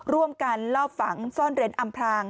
ร่วมกันลอบฝังซ่อนเร้นอำพราง